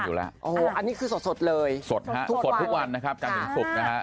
อยู่แล้วอันนี้คือสดเลยสดทุกวันนะครับการถึงศุกร์นะฮะ